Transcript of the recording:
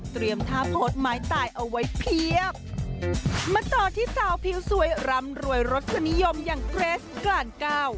ท่าโพสต์ไม้ตายเอาไว้เพียบมาต่อที่สาวผิวสวยรำรวยรสสนิยมอย่างเกรสกลั่นเก้า